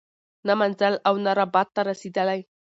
نه منزل او نه رباط ته رسیدلی